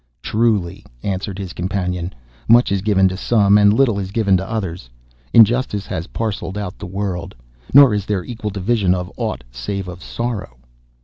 'Truly,' answered his companion, 'much is given to some, and little is given to others. Injustice has parcelled out the world, nor is there equal division of aught save of sorrow.